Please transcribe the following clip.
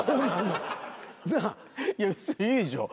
別にいいでしょ。